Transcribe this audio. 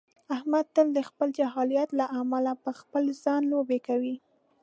احمد تل د خپل جاهلیت له امله په خپل ځان لوبې کوي.